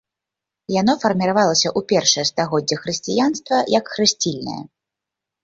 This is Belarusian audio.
Яно фарміравалася ў першыя стагоддзі хрысціянства як хрысцільнае.